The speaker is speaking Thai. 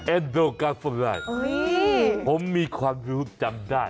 เอ็นโดกัสฟอร์มไลน์ผมมีความรู้จำได้